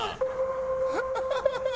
ハハハハ！